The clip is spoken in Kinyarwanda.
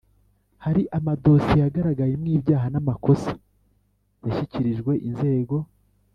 Hari amadosiye yagaragayemo ibyaha n amakosa yashyikirijwe inzego